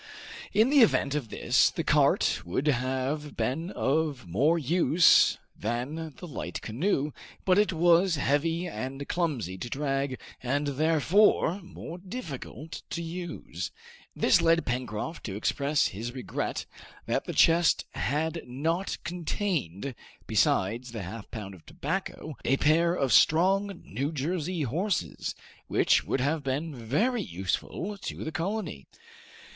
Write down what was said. In the event of this, the cart would have been of more use than the light canoe, but it was heavy and clumsy to drag, and therefore more difficult to use; this led Pencroft to express his regret that the chest had not contained, besides "his halfpound of tobacco," a pair of strong New Jersey horses, which would have been very useful to the colony!